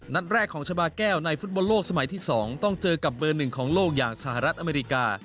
นัดแรกของชาบาแก้วในฟุตบอลโลกสมัยที่๒ต้องเจอกับเบอร์๑ของโลกอย่างสหรัฐอเมริกา